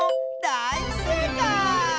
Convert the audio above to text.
だいせいかい！